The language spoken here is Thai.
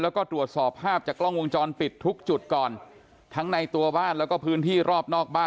แล้วก็ตรวจสอบภาพจากกล้องวงจรปิดทุกจุดก่อนทั้งในตัวบ้านแล้วก็พื้นที่รอบนอกบ้าน